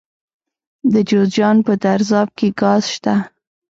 د جوزجان په درزاب کې ګاز شته.